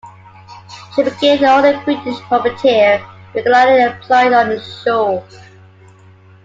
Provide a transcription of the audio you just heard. She became the only British puppeteer regularly employed on the show.